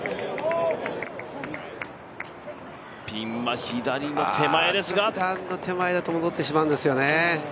ピンは左の手前ですが手前だと戻ってしまうんですよね。